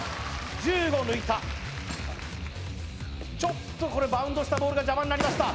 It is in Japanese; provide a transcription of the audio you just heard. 抜いたちょっとこれバウンドしたボールが邪魔になりました